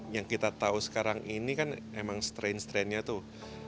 yang kita tahu sekarang ini kan emang strain strainnya tuh